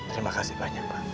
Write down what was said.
terima kasih banyak pak